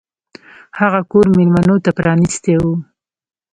هغه کور میلمنو ته پرانیستی و.